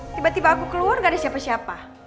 tiba tiba aku keluar gak ada siapa siapa